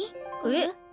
えっ？